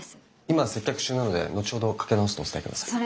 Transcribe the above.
今接客中なので後ほどかけ直すとお伝えください。